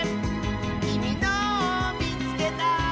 「きみのをみつけた！」